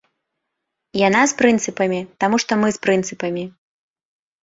Яна з прынцыпамі, таму што мы з прынцыпамі.